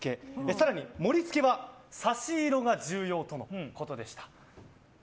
更に、盛り付けは差し色が重要とのことでした。